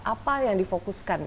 apa yang difokuskan